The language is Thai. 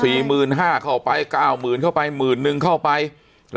หมื่นห้าเข้าไปเก้าหมื่นเข้าไปหมื่นนึงเข้าไปแล้ว